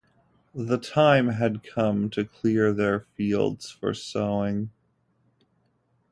The time had come to clear their fields for sowing.